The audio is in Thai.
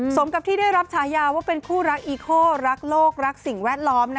สมกับที่ได้รับฉายาว่าเป็นคู่รักอีโครักโลกรักสิ่งแวดล้อม